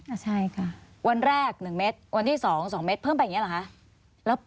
อ่ะใช่ค่ะวันแรกหนึ่งเม็ดวันที่สองสองเม็ดเพิ่มไปอย่างนี้หรือคะ